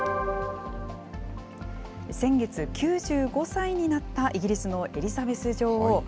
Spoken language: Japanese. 先月、９５歳になったイギリスのエリザベス女王。